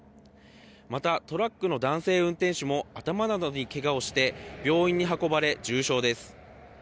また、トラックの男性運転手も頭などにけがをして病院に運ばれ重傷です。